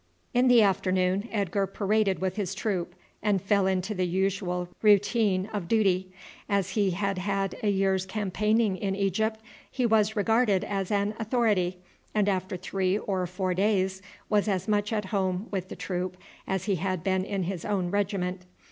In the afternoon Edgar paraded with his troop and fell into the usual routine of duty. As he had had a year's campaigning in Egypt he was regarded as an authority, and after three or four days was as much at home with the troop as he had been in his own regiment.